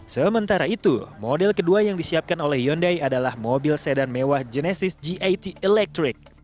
sementara itu model kedua yang disiapkan oleh hyundai adalah mobil sedan mewah genesis git electric